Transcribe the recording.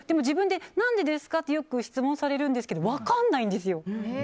でも、何でですかってよく質問されるんですけど分からないんですよ。